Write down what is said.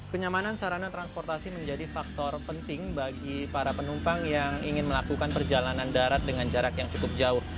kenyamanan sarana transportasi menjadi faktor penting bagi para penumpang yang ingin melakukan perjalanan darat dengan jarak yang cukup jauh